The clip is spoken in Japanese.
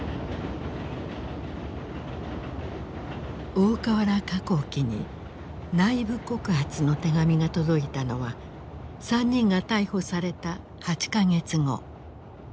大川原化工機に内部告発の手紙が届いたのは３人が逮捕された８か月後。